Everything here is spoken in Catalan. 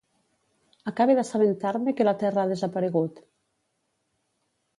Acabe d'assabentar-me que la terra ha desaparegut.